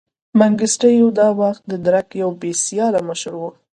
منګیسټیو دا وخت د درګ یو بې سیاله مشر و.